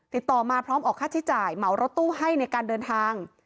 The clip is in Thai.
ติดต่อมาพร้อมออกค่าใช้จ่ายเหมารถตู้ให้ในการเดินทาง